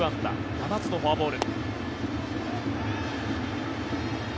７つのフォアボール。